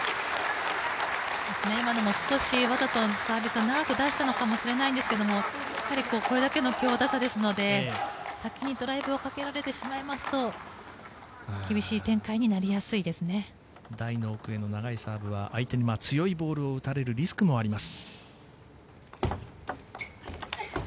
今のも少しわざとサービスを長く出したのかもしれないんですけどもこれだけの強打者ですので先にドライブをかけられてしまうと台の奥の長いサーブは相手に強いボールを打たれるリスクもあります。